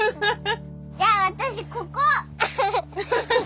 じゃあ私ここ！